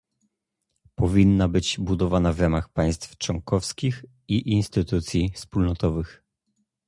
Powinna być budowana w ramach państw członkowskich i instytucji wspólnotowych